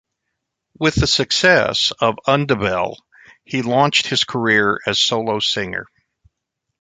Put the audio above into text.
With the success of "Undebel" he launched his career as solo singer.